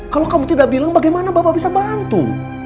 kalau kamu tidak bilang bagaimana bapak bisa bantu